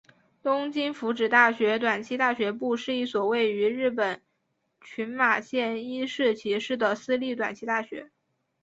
东京福祉大学短期大学部是一所位于日本群马县伊势崎市的私立短期大学。